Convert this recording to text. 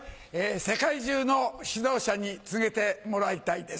世界中の指導者に告げてもらいたいです。